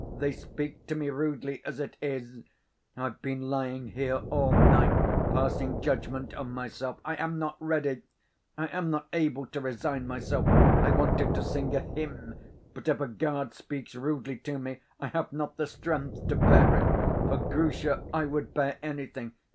They speak to me rudely as it is. I've been lying here all night, passing judgment on myself. I am not ready! I am not able to resign myself. I wanted to sing a 'hymn'; but if a guard speaks rudely to me, I have not the strength to bear it. For Grusha I would bear anything